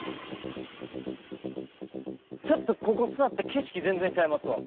ちょっとここ座ったら景色全然ちゃいますわ。